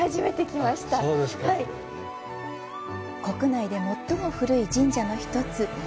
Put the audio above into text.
国内で最も古い神社の一つ。